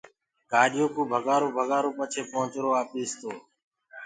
گآڏيو ڪو ڀگآرو بگآرو ڀگآرو پڇي پهنٚچرونٚ آپيٚس تو